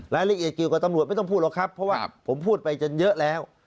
รายละเอียดเกี่ยวกับตำรวจไม่ต้องพูดหรอกครับเพราะว่าผมพูดไปจนเยอะแล้ว